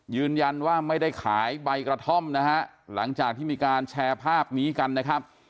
ยืนยันว่าไม่ได้ขายใบกระท่อมนะฮะหลังจากที่มีการแชร์ภาพนี้กันนะครับ